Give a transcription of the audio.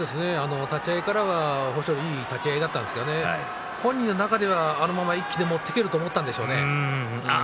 立ち合いからは豊昇龍いい立ち合いだったんですけれど本人の中ではあのまま一気に持っていけると思ったんでしょうね。